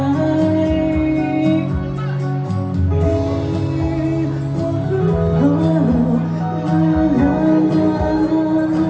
ใจที่มีก็ให้เธอต้องคืนกลับมา